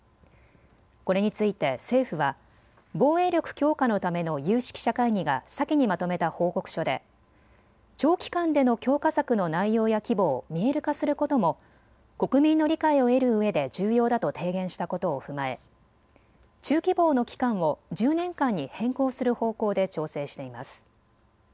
これについて政府は防衛力強化のための有識者会議が先にまとめた報告書で、長期間での強化策の内容や規模を見える化することも国民の理解を得るうえで重要だと提言したことを踏まえ、中期防の期間を１０年間に変更する方向で調整しています。